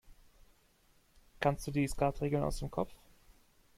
Kannst du die Skatregeln aus dem Kopf?